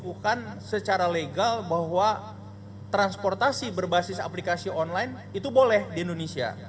kita lakukan secara legal bahwa transportasi berbasis aplikasi online itu boleh di indonesia